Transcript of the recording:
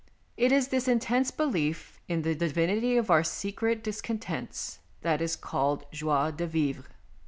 It is this intense belief in the divinity of our secret discon tents that is called joi de vivre.